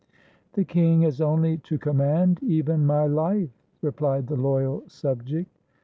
"The king has only to command, even my life," re plied the loyal subject.